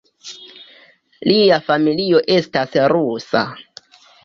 Lia familio estas rusa.